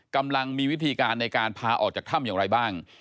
กำลังมีวิธีการในการพาออกจากถ้ำอย่างไรบ้าง